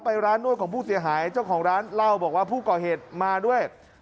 ร้านนวดของผู้เสียหายเจ้าของร้านเล่าบอกว่าผู้ก่อเหตุมาด้วย